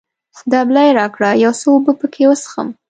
دبلی راکړه، یو څه اوبه پکښې وڅښم.